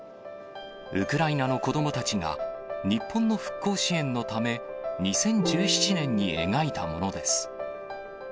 ウクライナの子どもたちが、日本の復興支援のため、２０１７年に描いたものです。